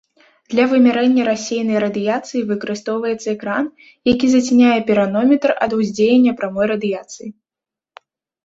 Для вымярэння рассеянай радыяцыі выкарыстоўваецца экран, які зацяняе піранометр ад уздзеяння прамой радыяцыі.